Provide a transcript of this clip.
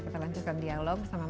terima kasih ya